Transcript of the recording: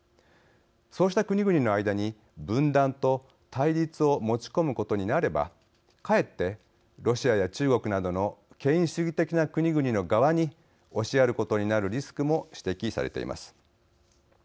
そうした国々の間に分断と対立を持ち込むことになればかえってロシアや中国などの権威主義的な国々の側に押しやることになるリスクも指摘されています。